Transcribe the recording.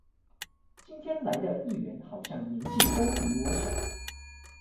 今天來的議員好像年紀都比我小